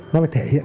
nó phải thể hiện